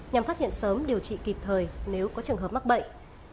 nhằm phát hiện sớm điều trị kịp thời nếu có trường hợp mắc bệnh